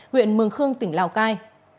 huyện mường khương tỉnh lào cai